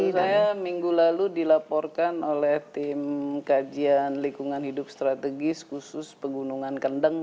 saya minggu lalu dilaporkan oleh tim kajian lingkungan hidup strategis khusus pegunungan kendeng